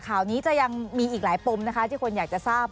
ข่าวนี้จะยังมีอีกหลายปมนะคะที่คนอยากจะทราบ